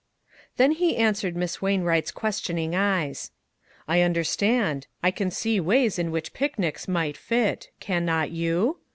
THEN he answered Miss Wainwright's questioning eyes. "I understand. I can see ways in which picnics might fit ; can not you?